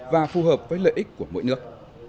và phù hợp với lợi ích của mỗi nước